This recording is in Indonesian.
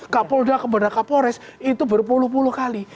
kapolda kepada kapolres itu berpuluh puluh kali